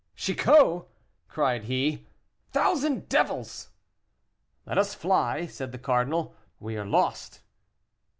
"Chicot!" cried he; "thousand devils!" "Let us fly!" said the cardinal, "we are lost."